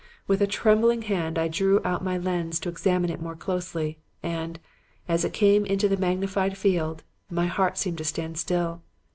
With a trembling hand, I drew out my lens to examine it more closely; and, as it came into the magnified field, my heart seemed to stand still.